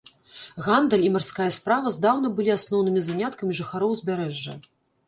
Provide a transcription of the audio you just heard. Гандаль і марская справа здаўна былі асноўнымі заняткамі жыхароў узбярэжжа.